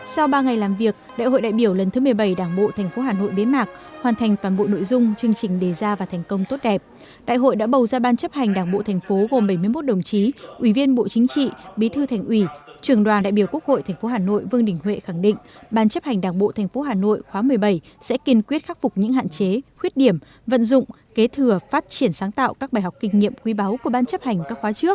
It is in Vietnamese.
sau ba ngày làm việc đại hội đại biểu lần thứ một mươi bảy đảng bộ tp hà nội bế mạc hoàn thành toàn bộ nội dung chương trình đề ra và thành công tốt đẹp đại hội đã bầu ra ban chấp hành đảng bộ tp gồm bảy mươi một đồng chí ủy viên bộ chính trị bí thư thành ủy trường đoàn đại biểu quốc hội tp hà nội vương đình huệ khẳng định ban chấp hành đảng bộ tp hà nội khóa một mươi bảy sẽ kiên quyết khắc phục những hạn chế khuyết điểm vận dụng kế thừa phát triển sáng tạo các bài học kinh nghiệm quý báu của ban chấp hành các kh